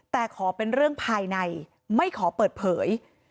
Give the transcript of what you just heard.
แต่ขอเป็นเรื่องภายในไม่ขอเปิดเผย